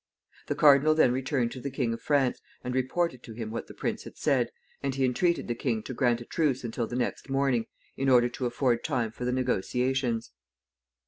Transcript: The cardinal then returned to the King of France, and reported to him what the prince had said, and he entreated the king to grant a truce until the next morning, in order to afford time for the negotiations.